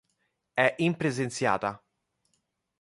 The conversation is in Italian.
È impresenziata.